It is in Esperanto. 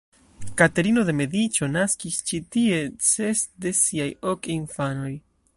Katerino de Mediĉo naskis ĉi tie ses de siaj ok infanoj.